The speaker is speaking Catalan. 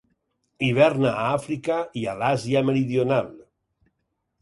Hiverna a Àfrica i a l'Àsia meridional.